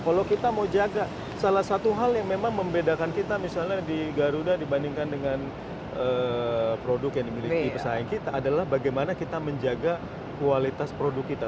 kalau kita mau jaga salah satu hal yang memang membedakan kita misalnya di garuda dibandingkan dengan produk yang dimiliki pesaing kita adalah bagaimana kita menjaga kualitas produk kita